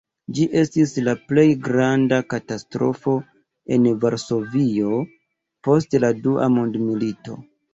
Ĝi estis la plej granda katastrofo en Varsovio post la dua mondmilito.